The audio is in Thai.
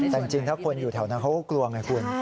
แต่จริงถ้าคนอยู่แถวนั้นเขาก็กลัวไงคุณ